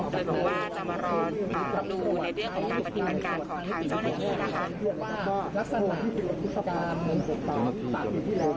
โดยบอกว่าจะมารอดูในเรื่องของการปฏิบัติการของทางเจ้าหน้าที่นะคะ